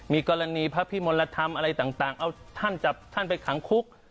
มีกรณีพระพิมลธรรมอะไรต่างเอาท่านจับท่านไปขังคุก